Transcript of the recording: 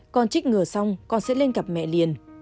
con chích ngừa xong con sẽ lên gặp mẹ liền